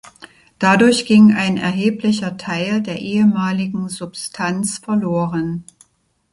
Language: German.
Dadurch ging ein erheblicher Teil der ehemaligen Substanz verloren.